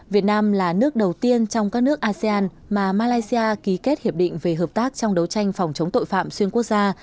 việt nam là nước đầu tiên trong các nước asean mà malaysia ký kết hiệp định về hợp tác trong đấu tranh phòng chống tội phạm xuyên quốc gia